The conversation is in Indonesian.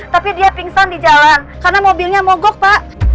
tapi dia pingsan di jalan karena mobilnya mogok pak